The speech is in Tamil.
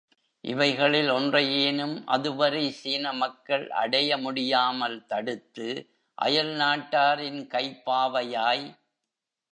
இவைகளில் ஒன்றையேனும் அதுவரை சீன மக்கள் அடைய முடியாமல் தடுத்து, அயல் நாட்டாரின் கைப்பாவையாய்.